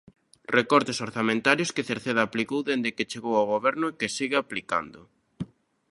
Recortes orzamentarios que Cerceda aplicou dende que chegou ao Goberno e que segue aplicando.